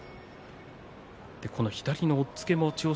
左の押っつけも千代翔